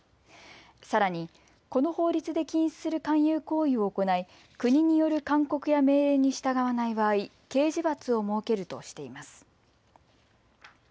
さらにこの法律で禁止する勧誘行為を行い国による勧告や命令に従わない場合、刑事罰を設けるとしています。